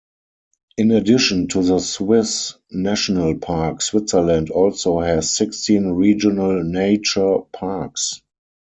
In addition to the Swiss National Park, Switzerland also has sixteen regional nature parks.